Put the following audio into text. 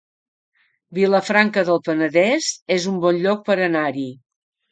Vilafranca del Penedès es un bon lloc per anar-hi